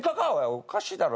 おかしいだろ。